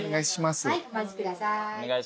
はいお待ちください。